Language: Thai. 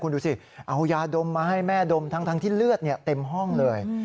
คุณดูสิเอายาดมมาให้แม่ดมทั้งที่เลือดเต็มห้องเลย